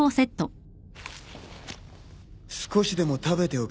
少しでも食べておけ。